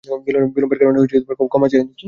বিলম্বের কারণে ক্ষমা চেয়ে নিচ্ছি!